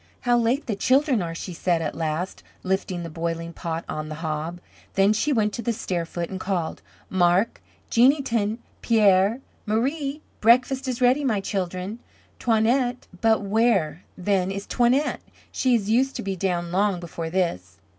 "How late the children are," she said at last, lifting the boiling pot on the hob. Then she went to the stair foot and called, "Marc, Jeanneton, Pierre, Marie. Breakfast is ready, my children. Toinette but where, then, is Toinette? She is used to be down long before this."